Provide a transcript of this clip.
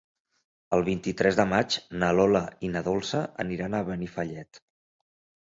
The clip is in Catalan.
El vint-i-tres de maig na Lola i na Dolça aniran a Benifallet.